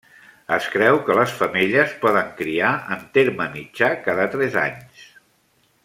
Es creu que les femelles poden criar, en terme mitjà, cada tres anys.